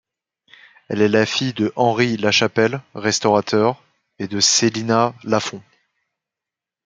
Elle est la fille de Henri Lachapelle, restaurateur, et de Célina Lafond.